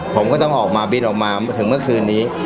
ผมก็ต้องออกมาบินออกมาถึงเมื่อคืนนี้